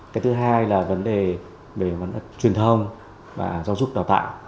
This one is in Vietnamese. cái thứ hai là vấn đề về vấn đề truyền thông và giáo dục đào tạo